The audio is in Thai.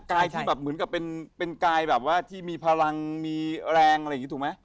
กายทริปเหมือนกับเป็นกายที่มีพลังมีแรงอะไรอย่างนี้ถูกไหม